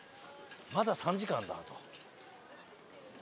まだ３時間あんだあと。